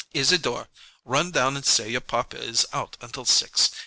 "Isadore, run down and say your papa is out until six.